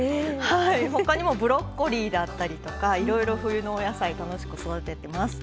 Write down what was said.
ほかにもブロッコリーだったりとかいろいろ冬のお野菜楽しく育ててます。